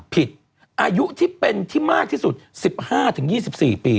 อายุที่เป็นที่มากที่สุด๑๕๒๔ปี